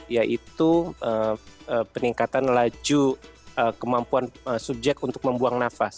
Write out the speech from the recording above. yaitu peningkatan laju kemampuan subjek untuk membuang nafas